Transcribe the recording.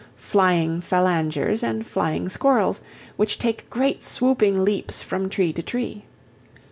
Flying Phalangers and Flying Squirrels, which take great swooping leaps from tree to tree.